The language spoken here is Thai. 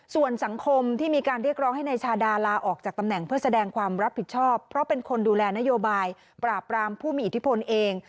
ส่วนสังคมที่มีการเรียกร้องให้นายชาดาลาออกจากตำแหน่งเพื่อแสดงความรับผิดชอบเพราะเป็นคนดูแลนโยบายปราบรามผู้มีอิทธิพลเอง